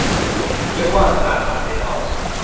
- นึกว่าสนามอาร์เซนอล